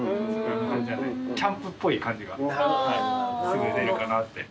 なんでキャンプっぽい感じがすごい出るかなって。